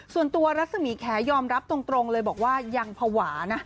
ส่วนตัวรัฐสมีแคยอมรับตรงเลยบอกว่ายังผวา